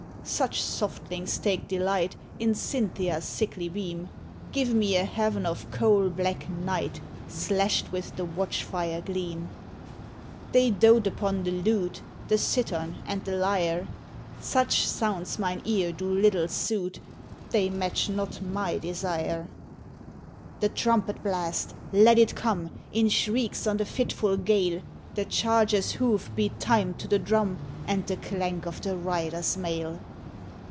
"Such softlings take delight In Cynthia's sickly beam Give me a heav'n of coal black night Slash'd with the watch fire gleam. "They doat upon the lute, The cittern and the lyre Such sounds mine eare do little sute, They match not my desire. "The trumpet blast let it come In shrieks on the fitful gale, The charger's hoof beat time to the drum, And the clank of the rider's mail.